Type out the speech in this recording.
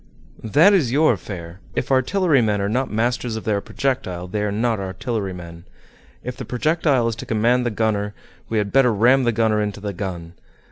"That is your affair. If artillerymen are not masters of their projectile they are not artillerymen. If the projectile is to command the gunner, we had better ram the gunner into the gun.